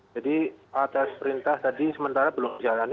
jadi atas perintah tadi sementara belum jalan